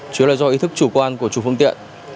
chủ yếu là do ý thức chủ quan của chủ phương tiện